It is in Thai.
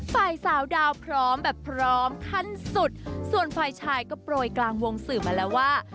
ฝ่ายสาวดาวพร้อมแบบพร้อมขั้นสุดส่วนฝ่ายชายก็โปรยกลางวงสื่อมาแล้วว่า